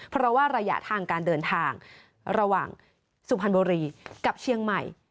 เพราะว่าระยะทางการเดินทางระหว่างสุพรรณบุรีกับเชียงใหม่